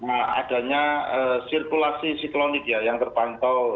adanya sirkulasi siklonik ya yang terpantau